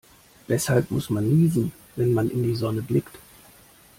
Weshalb muss man niesen, wenn man in die Sonne blickt?